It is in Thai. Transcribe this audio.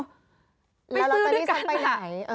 ไปซื้อด้วยกันแล้วลอตเตอรี่ฉันไปไหน